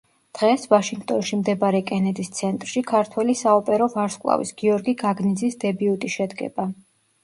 დღეს, ვაშინგტონში მდებარე კენედის ცენტრში, ქართველი საოპერო ვარსკვლავის, გიორგი გაგნიძის დებიუტი შედგება.